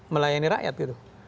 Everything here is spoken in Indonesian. melayani rakyat gitu